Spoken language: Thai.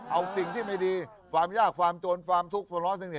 เอาสิ่งที่ไม่ดีฟาร์มยากฟาร์มโจรฟาร์มทุกข์ฟาร์มร้อนสังเกต